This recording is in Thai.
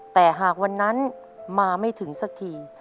แต่หากวันนั้นมาไม่ถึงสักที